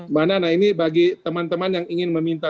mbak nana ini bagi teman teman yang ingin meminta